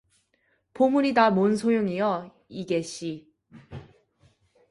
보물이 다 뭔 소용이여, 이게, 씨!